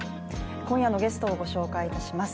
今夜のゲストをご紹介いたします。